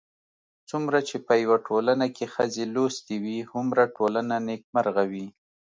څومره چې په يوه ټولنه کې ښځې لوستې وي، هومره ټولنه نېکمرغه وي